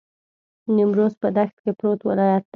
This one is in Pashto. نیمروز په دښت کې پروت ولایت دی.